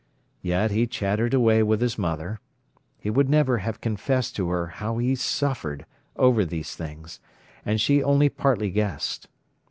Yet he chattered away with his mother. He would never have confessed to her how he suffered over these things, and she only partly guessed.